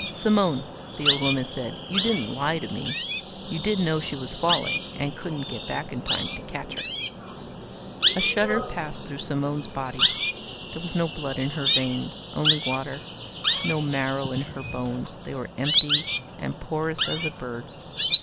"Simone," the old woman said. "You didn't lie to me? You did know she was falling, and couldn't get back in time to catch her?" A shudder passed through Simone's body. There was no blood in her veins, only water; no marrow in her bones, they were empty, and porous as a bird's.